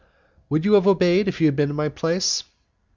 "Would you have obeyed, if you had been in my place?"